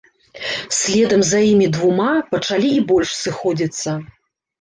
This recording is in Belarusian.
Следам за імі двума пачалі і больш сыходзіцца.